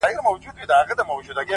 پنځم شاه لالی پوپل